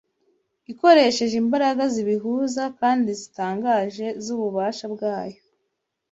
ikoresheje imbaraga zibihuza kandi zitangaje z’ububasha bwayo.